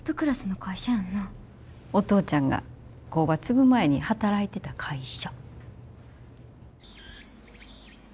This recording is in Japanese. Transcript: お父ちゃんが工場継ぐ前に働いてた会社。